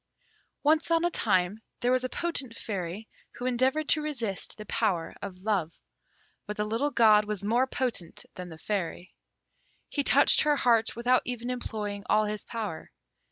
Once on a time there was a potent Fairy, who endeavoured to resist the power of Love; but the little god was more potent than the Fairy. He touched her heart without even employing all his power.